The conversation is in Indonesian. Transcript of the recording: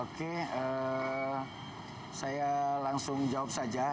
oke saya langsung jawab saja